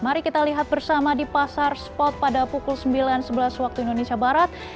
mari kita lihat bersama di pasar spot pada pukul sembilan sebelas waktu indonesia barat